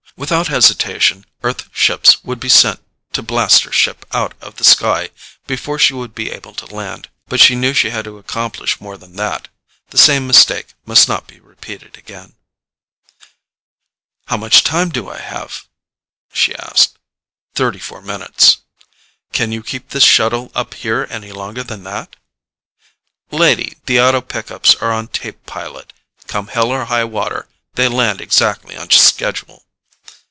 Without hesitation, Earth ships would be sent to blast her ship out of the sky before she would be able to land. But she knew she had to accomplish more than that; the same mistake must not be repeated again. "How much time do I have?" she asked. "Thirty four minutes." "Can you keep this shuttle up here any longer than that?" "Lady, the auto pickups are on tape pilot. Come hell or high water, they land exactly on schedule."